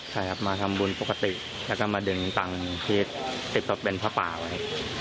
ใช่ครับมาทำบุญปกติแล้วก็มาดึงตังค์ที่ติดกับเป็นผ้าป่าไว้